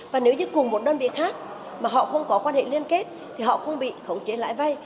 và nếu như cùng một đơn vị khác mà họ không có quan hệ liên kết thì họ không bị khống chế lãi vay